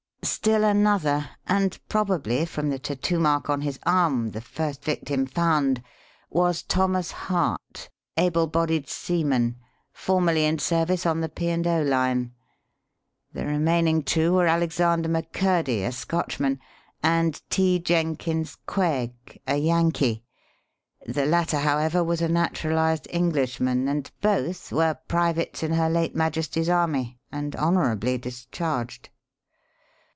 Still another and probably, from the tattoo mark on his arm, the first victim found was Thomas Hart, ablebodied seaman, formerly in service on the P & O line; the remaining two were Alexander McCurdy, a Scotchman, and T. Jenkins Quegg, a Yankee. The latter, however, was a naturalized Englishman, and both were privates in her late Majesty's army and honourably discharged."